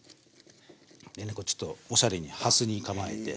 でねちょっとおしゃれにはすに構えて。